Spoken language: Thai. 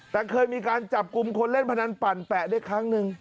แต่เคยมีการจับกลุ่มคนเล่นพนันปั่นแปะได้ครั้งหนึ่ง